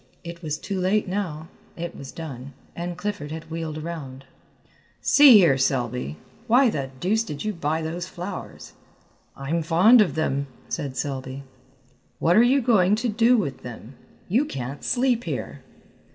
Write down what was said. It was too late now; it was done, and Clifford had wheeled around. "See here, Selby, why the deuce did you buy those flowers?" "I'm fond of them," said Selby. "What are you going to do with them? You can't sleep here."